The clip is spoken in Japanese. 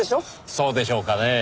そうでしょうかねぇ。